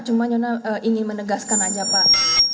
cuma nyono ingin menegaskan aja pak